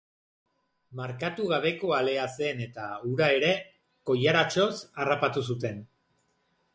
Markatu gabeko alea zen eta, hure ere, koilaratxoz harrapatu zuten.